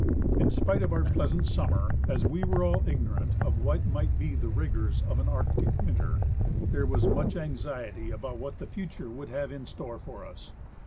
In spite of our pleasant summer, as we were all ignorant of Avhat might be the rigors of an arctic winter, there Avas much anxiety about what the future would have in store for us.